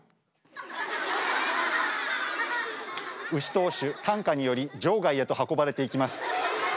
投手担架により場外へと運ばれていきます。